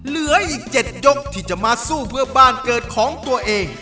เหลืออีก๗ยกที่จะมาสู้เพื่อบ้านเกิดของตัวเอง